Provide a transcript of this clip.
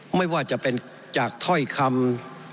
ไม่ว่าจะเป็นจากถ้อยคำ